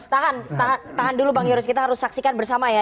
tahan tahan dulu bang yoris kita harus saksikan bersama ya